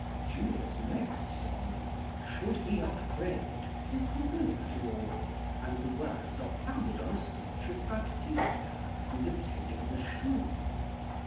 Julia's next song, "Should he upbraid," is familiar to all, and the words are founded on a speech of Baptista in The Taming of the Shrew.